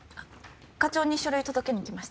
課長に書類を届けに来ました。